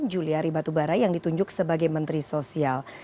juliari batubara yang ditunjuk sebagai menteri sosial